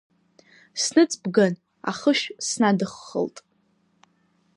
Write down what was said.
Сныҵбган, ахышә снадыххылт.